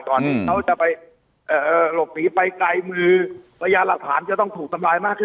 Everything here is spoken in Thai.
ก่อนที่เขาจะไปหลบหนีไปไกลมือระยะหลักฐานจะต้องถูกสบายมากขึ้น